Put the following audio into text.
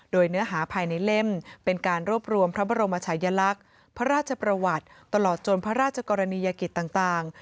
โดยเนื้อหาภายในเล่มเป็นการรวบรวมพระบรมชายลักษณ์พระราชประวัติตลอดจนพระราชกรณียกิจต่าง